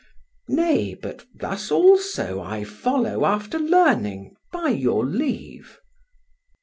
"Nay, but thus also I follow after Learning, by your leave."